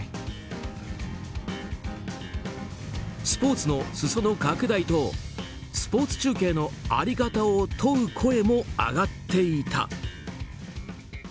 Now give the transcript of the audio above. スポーツの裾野拡大とスポーツ中継の在り方を問う声も上がっていた。